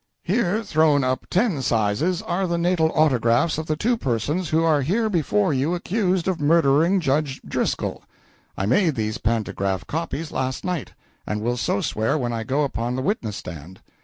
"Here, thrown up ten sizes, are the natal autographs of the two persons who are here before you accused of murdering Judge Driscoll. I made these pantograph copies last night, and will so swear when I go upon the witness stand.